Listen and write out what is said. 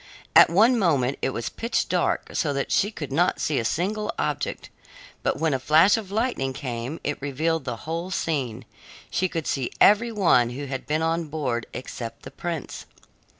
At one moment it was pitch dark so that she could not see a single object, but when a flash of lightning came it revealed the whole scene; she could see every one who had been on board except the prince.